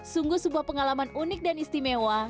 sungguh sebuah pengalaman unik dan istimewa